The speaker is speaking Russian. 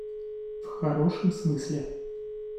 В хорошем смысле?